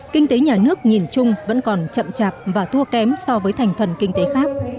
kinh tế nhà nước nhìn chung vẫn còn chậm chạp và thua kém so với thành phần kinh tế khác